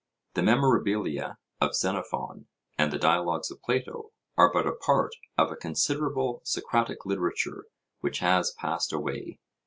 The Memorabilia of Xenophon and the Dialogues of Plato are but a part of a considerable Socratic literature which has passed away.